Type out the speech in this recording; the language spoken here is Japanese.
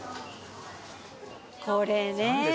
これね。